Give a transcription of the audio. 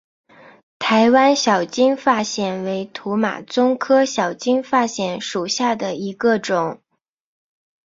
台湾小金发藓为土马鬃科小金发藓属下的一个种。